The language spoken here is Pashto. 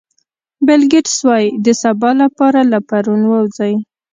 بیل ګېټس وایي د سبا لپاره له پرون ووځئ.